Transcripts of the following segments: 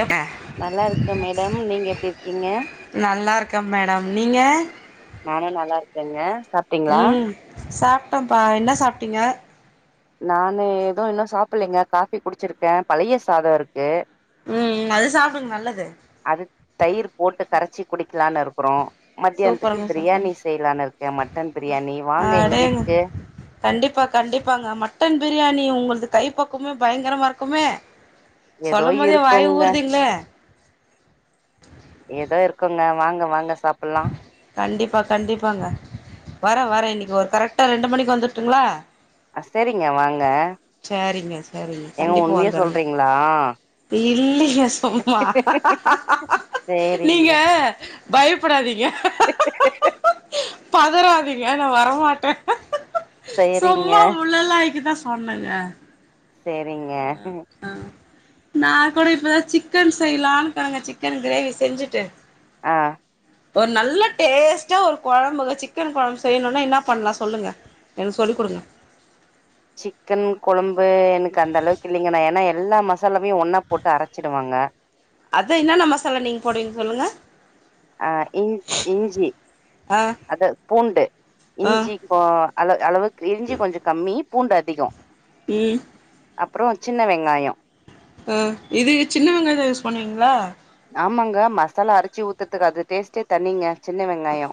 எவுக்கே நல்லாருக்கே மேடம் நீங்க எப்படி இருக்கீங்க நல்லா இருக்கே மேடம் நீங்க நானு நல்லாருக்கேங்க சாப்ட்டீங்களா சாப்ட்டோம்பா என்ன சாப்பிட்டீங்க நானு எதுவு இன்னு சாப்புல்லைங்க காஃபி குடிச்சிருக்கே பழைய சாதோ இருக்கு ம் அது சாப்பிடுங்க நல்லது அது தயிர் போட்டு கரைச்சி குடிக்கலான்னு இருக்குறோ மத்தியானத்துக்கு சூப்பருங்க சூப்பருங்க பிரியாணி செய்யலனுருக்கே மட்டன் பிரியாணி வாங்க எங்க வீட் அடேங்க [inaudible] க்கு கண்டிப்பா கண்டிப்பாங்க மட்டன் பிரியாணி உங்களது கை பக்கமே பயங்கரமா இருக்குமே ஏதோ சொல்லும் போத வாய் இருக்கோங்க ஊறுதுங்ளே ஏதோ இருக்குங்க வாங்க வாங்க சாப்புல்லா கண்டிப்பா கண்டிப்பாங்க வரே வரே இன்னிக்கி ஒரு கரெக்டாக ரெண்டு மணிக்கி வந்துர்ட்டுங்ளா அ செரிங்க வாங்க சேரிங்க சேரிங்க ஏங்க கண்டிப்பாக உண்மைய வந்தர்ற சொல்றீங்களா இல்லைங்க சும்மா சேரிங்க நீங்க பயப்புடாதீங்க பதறதீங்க ந வரமாட்டே சேரிங்க சும்மா உள்ளல்லாயிக் கிதா சொன்னங்க சேரிங்க ம் ஆ நா கூட இப்பதா சிக்கன் செய்யலான்னுருக்கங்க சிக்கன் கிரேவி செஞ்சுட்டு ஆ ஒரு நல்ல டேஸ்ட்டா ஒரு கொழம்பு சிக்கன் கொழம்பு செய்யணுனா என்ன பண்லா சொல்லுங்க எனக்கு சொல்லி குடுங்க சிக்கன் கொழம்பு எனக்கு அந்த அளவுக்கு இல்லங்க நா ஏன்னா எல்லா மசாலாவயு ஒன்னா போட்டு அரச்சிடுவங்க அதா என்னென்னா மசாலா நீங்க போடுவீங்க சொல்லுங்க ஆ இஞ் இஞ்சி ஆ அத பூண்டு ஆ இஞ்சி இப்ப அள அளவுக்கு இஞ்சி கொஞ்ச கம்மி பூண்டு அதிகொ இ அப்பறொ சின்ன வெங்காயொ உ இது சின்ன வெங்காயந்தாயூஸ் பண்வீங்ளா ஆமாங்க மசாலா அரச்சு ஊத்துறதுக்கு அது டேஸ்ட்டே தனிங்க சின்ன வெங்காயொ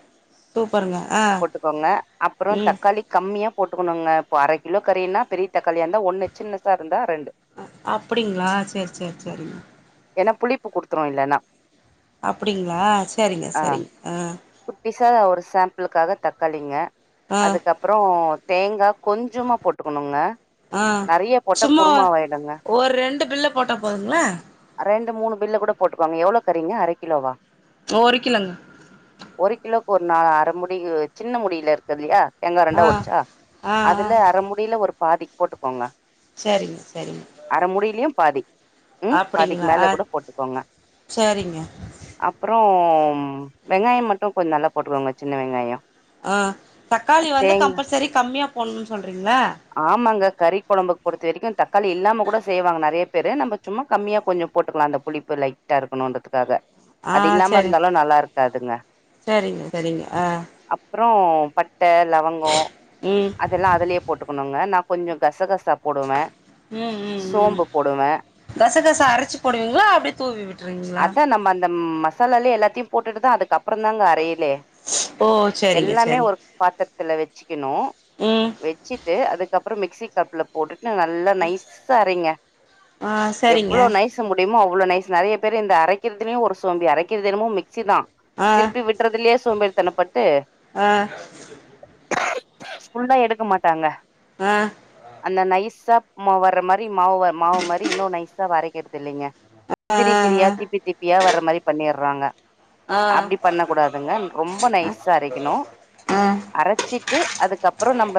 சூப்பருங்க ஆ போட்டுக்கோங்க அப்பறோ ம் தக்காளி கம்மியா போட்டுகனுங்க இப்போ அர கிலோ கறினா பெரிய தக்காளியா இருந்தா ஒன்னு சின்னசா இருந்தா ரெண்டு உ அப்டிங்ளா செரி செரி செரிங்க ஏனா புளிப்பு குடுத்துரு இல்லனா அப்டிங்ளா சரிங்க சரிங்க ஆ குட்டிஸா ஒரு சாம்பிளுக்காக தக்காளிங்க ஆ அதுக்கப்பறொ தேங்கா கொஞ்சமா போட்டுகனுங்க ஆ சும்மா ஒரு ரெண்டு பில்ல போட்டா போதுங்ளா ரெண்டு மூணு பில்ல கூட போட்டுக்கங்க எவ்ளோ கறிங்க அர கிலோவா ஒரு கிலோங்க ஒரு கிலோக்கு ஒரு நா அர முடி சின்ன முடில இருக் குதுல்லயா தேங்கா ஆ ரெண்டா ஒடச்சா ஆ ஆ அதுல அர முடில ஒரு பாதி போட்டுக்கோங்க செரிங்க செரிங்க அர மூடிலயு பாதி உ பாதிக்கு அப்படிங்களா ஆ மேல கூட போட்டுக்கோங்க சரிங்க அப்பறோ வெங்காயொ மட்டு கொஞ்ச நல்லா போட்டுக்கோங்க சின்ன வெங்காயொ ஆ தக்காளி வந்து கம்பல்சரி கம்மியா போடணுனு சொல்றீங்ளா ஆமாங்க கறி கொழம்புக்கு பொறுத்த வரைக்கு தக்காளி இல்லாம கூட செய்வாங்க நெறைய பேரு நம்ம சும்மா கம்மியா கொஞ்சொ போட்டுக்லா அந்த புளிப்பு லைட்டா இருக்கணுன்றதுக்காக ஆ அது இல்லாம இருந்தாலு நல்லா இருக்காதுங்க செரிங்க செரிங்க ஆ அப்றோ பட்ட லவங்கொ ம் அத் அதெல்லா அதுலே போட்டுக்கணுங்க நா கொஞ்ச கசகசா போடுவே ம் ம் ம் சோம்பு போடுவே கசகசா அரச்சு போடுவீங்ளா அப்டியே தூவி விட்ருவீங்ளா அதா நம்ம அந்த மஸ் மசாலாலே எல்லாத்தயு போட்டுட்டு தா அதுக்கப்றொ தாங்க அரயலே ஓ சரிங்க எல்லாமே சரி ஒரு பாத்திரத்துல வச்சுக்கணு ம் வச்சிட்டு அதுக்கப்பறோ மிக்சி கப்ல போட்டுட்டு நல்லா நைஸ்ஸா அரைங்க ஆ சரிங்க எவ்ளோ நைஸ் முடியுமோ அவ்ளோ நைஸ் நெறைய பேர் இந்த அரைக்கிர்திலூ ஒரு சோம்பி அரைக்கது என்னமோ மிக்சி தா ஆ திருப்பி விட் ட்றதுலே சோம்பேறி தனப்பட்டு ஆ ஃபுல்லா எடுக்க மாட்டாங்க ஆ அந்த நைஸா மா வர்ற மாரி மாவு மாரி மாவு இன்னு நைஸா அரைக்கரதுல்லங்க ஆ திரி திரியா ஆ திப்பி திப்பியா வர்ற மாரி பண்ணிர்றாங்க ஆ ஆ அப்டி பண்ண கூடாதுங்க ரொம்ப நைஸா அரைக்கணு ஆ அரச்சிட்டு அதுக்கப்பறொ நம்ம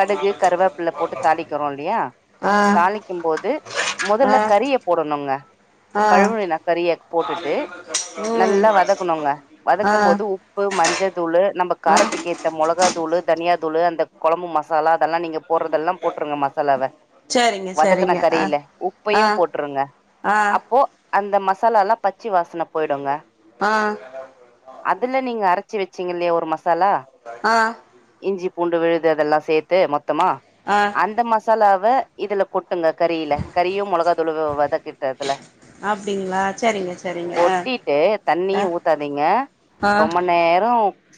கடுகு கருவேப்பில்ல போட்டு தாளிக்கிறோ இல்லயா ஆ தாளிக்கும் போது ஆ மொதல்ல கறிய போடணுங்க ஆ கழவுனின கறிய போட்டுட்டு ம் நல்லா வதக் குனுங்க ஆ வதக்க போது உப்பு மஞ்ச தூளு நம்ம ஆ காரத்துக்கு ஏத் த மொளகா தூளு தனியா தூளு அந்த கொழம்பு மசாலா அதெல்லா நீங்க போறதெல்லா போட்ருங்க மசாலாவ சரிங்க வதக்குன சரிங்க ஆ கரில ஆ உப்பையு போட்ருங்க ஆ அப்போ அந்த மசாலா எல்லாம் பச்சி வாசன போய்டுங்க ஆ அதுல நீங்க அரச்சி வச்சீங்க இல்லையா ஒரு மசாலா ஆ இஞ்சி பூண்டு விழுது அதெல்லா சேர்த்து மொத்தமா ஆ அந்த மசாலாவ இதுல கொட்டுங்க கறில கறியும் மொளகா தூளுவ வதக்கிட்டதுல அப்டிங்ளா சரிங்க சரிங்க ஆ ஆ சரீங்க ஆ ரொம்ப நேரொ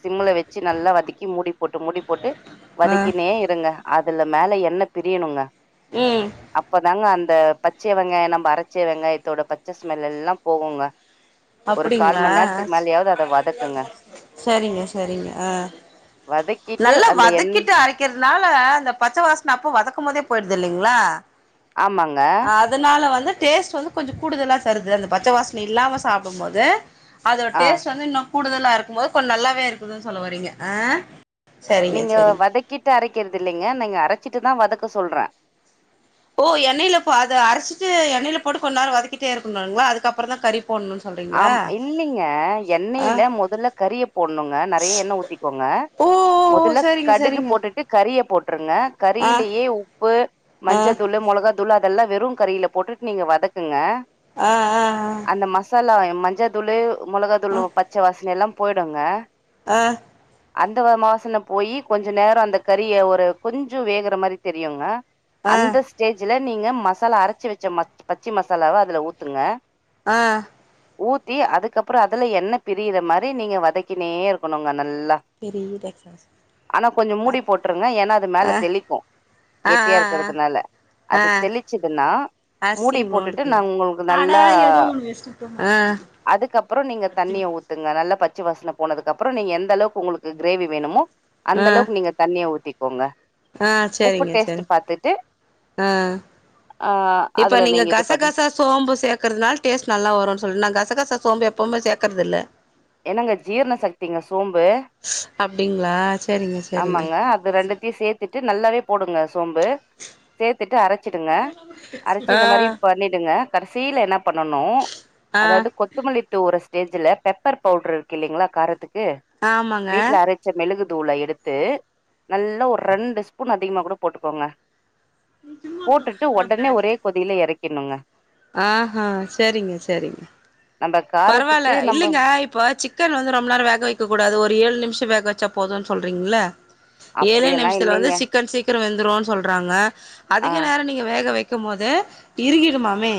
சிம்ல வச்சு நல்லா வதக்கி மூடி போட்டு மூடி போட்டு ஆ வதக்கினே இருங்க அதுல மேல எண்ண பிரியணுங்க ம் அப்பதாங்க அந்த பச்சை வெங்காயம் நம்ப அரச்ச வெங்காயத்தோட பச்ச ஸ்மெல் எல்லாம் போகுங்க ஒரு கால் அப்படிங்ளா மண் நேரத்துக்கு மேலயாவது அத வதக்குங்க சரிங்க சரிங்க வதக்கிட்டு நல்லா அந்த எண் வதக்கிட்டு அரைக் வைக்கிறதுனால அந்த பச்சை வாசன அப்போ வதக்கும் போதே போயிடுது இல்லைங்களா ஆமாங்க அதனால வந்து டேஸ்ட் வந்து கொஞ்சம் கூடுதலா தருது அந்த பச்சை வாசன இல்லாம சாப்டும்போது அதோட ஆ டேஸ்ட் வந்து இன்னும் கூடுதலா இருக்கும் போது கொஞ்சம் நல்லாவே இருக்குதுன் சொல்ல வரீங்க ஆ சரிங்க நீங்க சரிங்க வதக்கிட்டு அரைக்குறது இல்லைங்க நீங்க அரச்சிட்டுதா வதக்க சொல்றே ஓ எண்ணெயில அத அரைச்சிட்டு எண்ணேல போட்டு கொஞ்ச நேரம் வதக்கிட்டே இருக்கணுங்களா அதுக்கப்புறந்தா கறி போட்ணு சொல்றீங்க ஆம் இல்லலைங்க எண்ணெய்ல மொதல்ல கறிய போடணுங்க நறைய எண்ணெய் ஊத்திக்கோங்க ஓ ஓ மொதல்ல சரிங்க கடுகு சரிங்க போட்டுட்டு கறிய போட்ருங்க ஆ கறிலேயே உப்பு ஆ மஞ்சத்தூளூ மொளகாத் தூளூ அதெல்லா வெறு கறியில போட்டுட்டு நீங்க வதக்குங்க ஆ ஆ ஆ அந்த மசாலா மஞ்ச தூளு மொளகா தூளு பச்ச வாசன எல்லா போய்டுங்க ஆ அந்த வாசன்ன போயி கொஞ்ச நேரம் அந்த கறிய ஒரு கொஞ்ச வேகுற மாதிரி தெரியுங்க ஆ அந்த ஸ்டேஜ்ல நீங்க மசாலா அரச்சு வச்ச ம பச்சி மசாலாவா அதுல ஊத்துங்க ஆ ஊத்தி அதுக்கப்புற அதுல எண்ண பிரியுற மாரி நீங்க வதக்கினே இருக்கணுங்க நல்லா பெரிய டெக்சாஸ் ஆனா கொஞ்ச மூடி போட்ருங்க ஏன்னா அது ஆ மேல தெளிக்கும் ஆ கெட்டியா ஆ ஆ இருக்கிறதுனால ஆ அது தெளிச்சுதுன்னா அரிசி மூடி போட்டுட்டு நா இவ்ளோண்டுக்குது உங்களுக்கு நல்லா ஆ அதுக்கப்புற நீங்க தண்ணிய ஊத் ங்க நல்லா பச்சு வாசன போனதுக்குப்புறம் நீங்க எந்த அளவுக்கு உங்களுக்கு கிரேவி வேணுமோ ஆ அந்தளவுக்கு நீங்க தண்ணிய ஊத்திக்கோங்க ஆ உப்பு சேரிங்க டேஸ்ட் சேரிங் பாத்துட்டு ஆ ஆ இப்ப அதுல நீங்க இது பண்ணி கசகசா சோம்பு சேர்க்கறதுனா டேஸ்ட் நல்லா வரு சொல் நா கசகச சோம்ப எப்பவுமே சேர்க்கறதில்ல என்னங்க ஜீரண சக்திங்க சோம்பு அப்டிங்களா செரிங்க செரிங்க த்தி சேத்துட்டு நல்லாவே போடுங்க சோம்பு சேத்துட்டு அரச்சிடுங்க அரச்சு ஆ இந்த மாரி பண்ணிடுங்க கடைசியில என்ன பண்ணணு ஆ அதாவது கொத்தமல்லி தூவுற ஸ்டேஜ்ல பெப்பர் பவுடர் இருக்கு இல்லலைங்களா காரத்துக்கு ஆமாங்க வீட்ல அரை ச்ச மெழுகு தூள எடுத்து நல்லா ஒரு ரெண்டு ஸ்பூன் அதிகமா கூட போட்டுக்கோங்க நெஜமாதா ஆன பிளாக் கொதியிலா எறக்கிறணுங்க ஆ ஹ சேரிங்க சேரிங்க நம்ம பரவாயில காரத்துக்கு நம்ம இல்லைங்க இப்ப சிக் க்கன் வந்து ரொம்ப நேர வேக வைக்க கூடாது ஒரு ஏழு நிமிஷம் வேக வச்சா போதுன் சொல்றீங்களா சிக் ஏழே அப்படியெல்லா நிமிஷத்துல வந்து இல்லைங்க சிக்கன் சீக்கிர வெந்துருன் சொல்றாங்க ஆ அதிக நேர நீங்க வேக வைக் க்கு போது இறுகிடுமாமே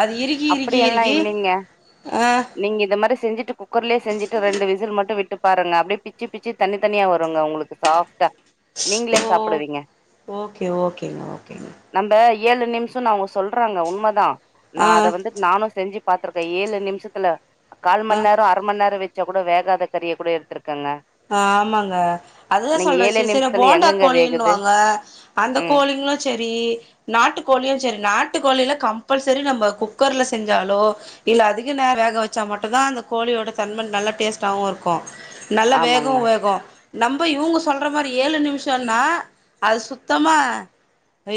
அது இறுகி இறுகி அப்படியெல்லா இறுகி இல்லைங்க ஆ நீங்க இது மாரி செஞ்சிட்டு குக்கர்லேயோ செஞ்சிட்டு ரெண்டு விசில் மட்டும் விட்டு பாருங்க அப்டியே பிச்சு பிச்சு தனித்தனியா வருங்கா உங்களுக்கு சாப்ட் ஓ ஓகே ஓகேங்க ஓகேங்க நம்ம ஏழு நிமிஷம்னு அவுங்க சொல்றாங்க உண்மதா ந ஆ நானு செஞ்சு பாத்திருக்கே ஏழு நிமிஷத்துல கால் மண் நேரோ ஆ அர மண் நேர வச்சா கூட வோகதா கறிய கூட எடுத்திருக்கங்க ஆ ஆமாங்க அதுதா நீங்க ஏழே சொல்றே [unintelligible] நிமிஷத்துல போண்டா எங்கங்க வேகுது கோழின்னுவாங்க அந்த ம் கோழிங்களு செரி நாட்டுக்கோழியு செரி நாட்டுக்கோழியில கம்பல்சரி நம்ப குக்கர்ல செஞ்சாலோ இல்ல அதிகா நேரோ வேக வச்சா மட்டுதா அந்த கோழியோட தன்ம நல்ல டேஸ்டாவு இருக்கு வேகு ஆமாங்க வேகு நம்ம இவுங்க சொல்ற மாரி ஏழு நிமிஷம்னா அது சுத்தமா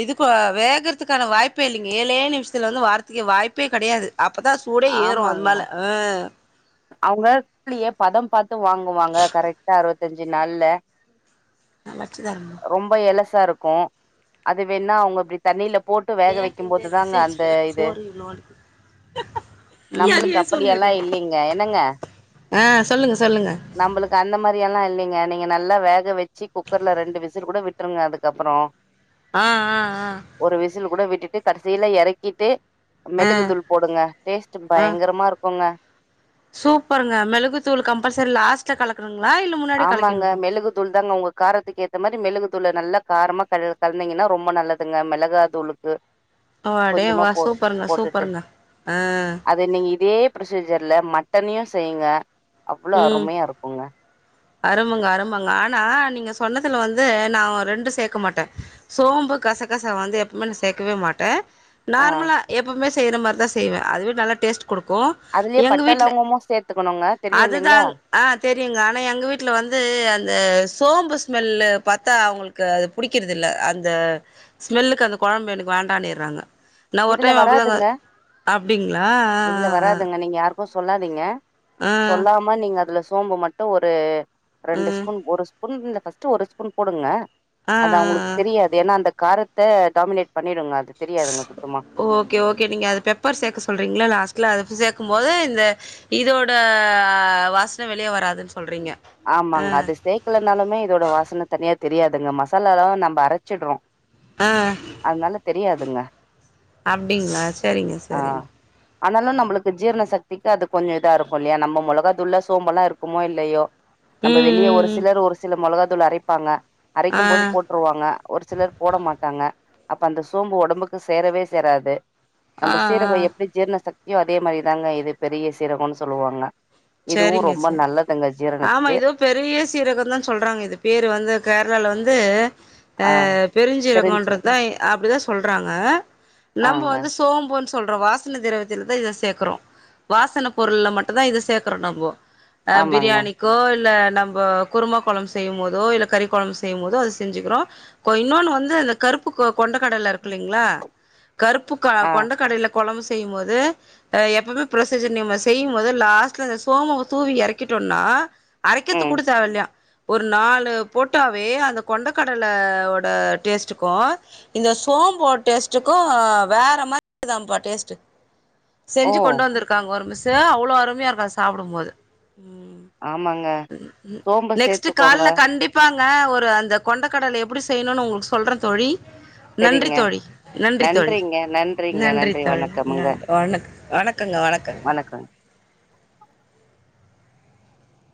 இதுக்கு வேகறத்துக்கான வாய்ப்பே இல்லைங்க ஏழே நிமிஷத்துல வந்து வாரத்துக்கு வாய்ப்பே கிடையாது அப்பதா சு சூடே ஏறும் அது மேலா ஆ அவுங்க கோழிய பதம் பாத்து வாங்குவாங்க கரெக்டா அறுவத்துஞ்சு நாள்ல சமச்சு தரணு ரொம்ப எலசாருக்கு அது வேண்ணா அவுங்க அப்டி தண்ணில போட்டு வேக வைக்கு ம் போது தாங்க அந்த இது [unintelligible] நம்பளுக்கு அப்டியெல்லா இல்லைங்க என்னங்க ஆ சொல்லுங்க சொல்லுங்க நம்பளுக்கு அந்த மாரி எல்லா இல்லைங்க நீங்க நல்லா வேக வச்சு குக்கர்ல ரெண்டு விசில் கூட விட்டுருங்க அதுக்கப்றோ ஆ ஆ ஆ ஒரு விசில் கூட விட்டுட்டு கடைசியிலா எறக்கிட்டு ஆ மெழுகு தூள் போடுங்க டேஸ்ட் ஆ பயங்கரமா இருக்குங்க சூப்பருங்க மிளகு தூள் கம்பல்சரி லாஸ்ட்ல கலக்கணுங்களா இல்ல மு ஆமாங்க மெலுகு தூள் தாங்க உங்க காரத்துக்கு ஏத்த மாரி மெழுகு தூள் நல்லா காரமா க கலந்தீங்கன்னா ரொம்ப நல்லதுங்க மிளகா தூழுக்கு வா டோ வா சூப்பருங்க சூப்பருங்க ஆ இத நீங்க இதே ப்ரொசீஜர்ல மட்டனையு செய்யுங்க அவ்ளோ ம் அருமையா இருக்குங்க அருமங்க அருமங்க ஆனா நீங்க சொன்னதுல வந்து நா ரெண்டு சேக்க மாட்ட சோம்பு கசகச வந்து எப்பவுமே நா சேக்கவே மாட்டே ஆ நார்மலா எப்வுமே செய்யற மாரிதா செய்வே அதுவே நல்லா டேஸ்ட் குடுக்கு அதுலயே எங்க பட்ட வீட்ல லவங்கமு சேர்த்துக்கணுங்க அதுதாங் ஆ தெரியுங்க ஆனா எங்க வீட்ல வந்து அந்த சோம்பு ஸ்மெல்லு பாரத்தா அவுங்களுக் கு அது புடிக்கறத இல்ல அந்த ஸ்மெல்லுக்கு அந்த கொழம்பு எனக்கு வேண்டானுறாங்க நா ஒரு இதுல டைம் அப்டிதாங்க வராதுங்க அப்டிங்களா ஆ ஆ ஆ இப்போ சொல்லாதீங்க சொல்லாம நீங்க அதுல சோம்பு மட்டு ஒரு ஆ ஆ ரெண்டு ம் ஸ்பூன் ஒரு ஸ்பூன் ஃபஸ்ட்டு ஒரு ஸ்பூன் போடுங்க ஆ அது ஆ அவங்களுக்கு ஆ தெரியாது ஏன்னா அந்த காரத்த டாமினேட் பண்ணிடுங்க அது தெரியாதுங்க [unintelligible] சுத்தமா ஓகே ஓகே நீங்க அது பெப்பர் சேர்க்க சொல்றீங்களா லாஸ்ட்ல அது சேக்கு போது இந்த இதோட வாசன வெளிய வராதுன்னு சொல்றீங்க ஆ ஆமாங்க அது சேக்கலனாலுமே இதோட வாசன தனியா தெரியாதுங்க மசாலாலா நம்ம அரைச்சிட்றோ ஆ அதனால தெரியாதுங்க அப்டிங்ளா சரிங்க ஆ சரிங்க ஆனாலு நம்மளுக்கு ஜீரண சக்திக்கு அது கொஞ்ச இதா இருக்கு இல்லையா நம்ம மிலகா தூள்ள சோம்பெல்லா இருக்குமோ இல்லையோ நம்ம ம் வெளிய ம் ம் ஒருசிலர் ஒரு சில மிளகா தூள் அரைப்பாங்க அரைக்கும் போது ஆ போட் ட்ருவாங்க ஒரு சிலர் போட மாட்டாங்க அப்ப அந்த சோம்பு உடம்புக்கு சேரவே சேராது ஆ நம்ம ஆ சீரகோ எப்படி ஜீர்ண சக்தியோ அதே மாதிரிதாங்க இது பெரிய சீரகம்னு சொல்லுவாங்க இதுவு சரிங்க ரொம்ப சரி நல்லதுங்க ஜீரண ஆமா இதுவு பெரிய சீரகந்தா சொல்றாங்க இது பேரு வந்து கேரளால வந்து ஆ தெரிஞ்சு பெருசீரகன்றதுதா அப்டிதா சொல்றாங்க நம்ம ஆங்க வந்து சோம்புன் சொல்றோ வாசன திரவத்தில தா இத சேக்கறோ வாசனப் பொருள்ல மட்டுந்தா இத சேக் குறோம் நம்போ ஆ ஆமாங்க பிரியாணி கோ இல்ல நம்ம குருமா கொழம்பு செய்யும் போதோ இல்ல கறி குழம்பு செய்யும் போதோ அத செஞ்சுக்கிறோ கோ இன்னொன்னு வந்து இந்த கருப்பு கொண்ட கடல்ல இருக்குல்லைங்களா கருப்பு ஆ கொண்ட கடில குழம்பு செய்யும் போது எப்பவுமே ப்ரொசீஜர் நீம்ம செய்யும் போது லாஸ்ட் கு சோம தூவி எறக்கிட்டோம்னா அரைக்கத்து ம் கூட தேவ இல்லயா ஒரு நாலு போட்டாவே அந்த கொண்டக்கடலவொட டேஸ்ட்டுக்கோ இந்த சோம்போட டேஸ்ட்டுக்கு வேற மாதிரின்ப்பா டேஸ்ட்டு ஓ செஞ்சு கொண்டு வந்திருக்காங்க ஒருமிஸ்சு அவ்ள அருமையா இருக்கா சாப்டும் போது ஆமாங்க உ சோம்பு நெக்ஸ்ட் சேத்துக்கோங்க கால்ல கண்டிப் இருப்பாங்க ஒரு அந்த கொண்ட கடல எப்படி செய்யணும்னு உங்களுக்கு சொல்றே தோழி நன்றி சரிங்க தோழி நன்றி தோழி நன்றிங்க நன்றிங்க நன்றி தோழி நன்றி வணக் வணக்கங்க வணக் வணக்கோ